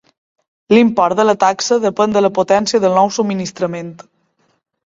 L'import de la taxa depèn de la potència del nou subministrament.